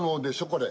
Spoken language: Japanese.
これ。